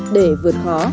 để vượt khó